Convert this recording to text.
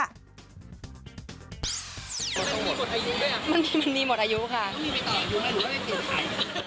แล้วมันมีหมดอายุใช่ไหม